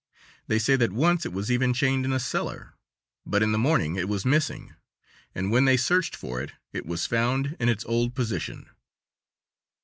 They say that once it was even chained in a cellar, but in the morning it was missing, and when they searched for it, it was found in its old position.